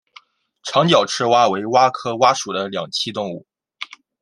长脚赤蛙为蛙科蛙属的两栖动物。